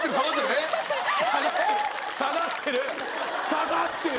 下がってる！